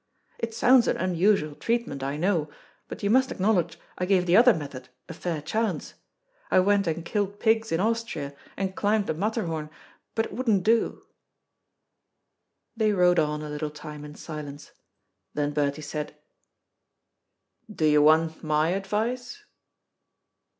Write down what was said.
It sounds an unusual treatment, I know, but you must acknowledge I gave the other method a fair chance. I went and killed pigs in Austria, and climbed the Matterhorn, but it wouldn't do." They rode on a little time in silence. Then Bertie said, "Do you want my advice?"